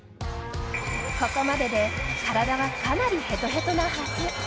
ここまでで体はかなりヘトヘトなはず。